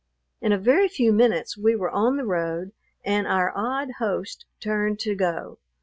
In a very few minutes we were on the road, and our odd host turned to go.